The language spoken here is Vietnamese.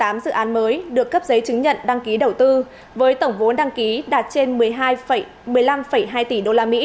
tức là một bảy trăm ba mươi tám dự án mới được cấp giấy chứng nhận đăng ký đầu tư với tổng vốn đăng ký đạt trên một mươi hai một mươi năm hai tỷ usd